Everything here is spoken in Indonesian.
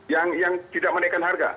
yang tidak menaikan harga